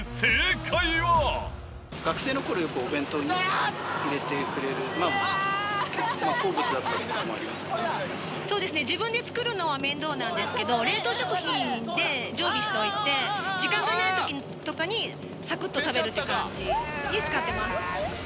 学生のころ、よくお弁当に入れてくれる、そうですね、自分で作るのは面倒なんですけど、冷凍食品で常備しておいて、時間がないときとかにさくっと食べるっていう感じに使ってます。